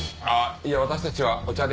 いえ私たちはお茶で。